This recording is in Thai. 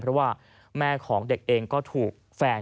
เพราะว่าแม่ของเด็กเองก็ถูกแฟน